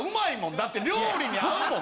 だって料理に合うもん